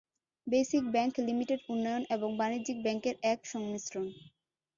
Basic Bank Limited উন্নয়ন এবং বাণিজ্যিক ব্যাংকের এক সংমিশ্রণ।